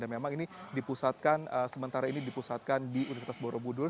dan memang ini dipusatkan sementara ini dipusatkan di universitas borobudur